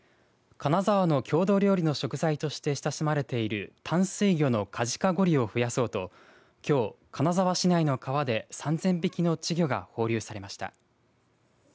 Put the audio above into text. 金沢の郷土料理の食材として親しまれている淡水魚のカジカゴリを増やそうときょう金沢市内の川で３０００匹の稚魚が放流されました。